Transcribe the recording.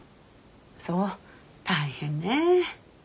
そう大変ね。